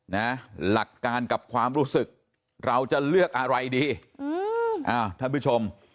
นะหลักการกับความรู้สึกเราจะเลือกอะไรดีอืมอ้าวท่านผู้ชม